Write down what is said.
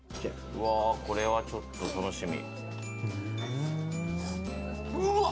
これは、ちょっと楽しみ。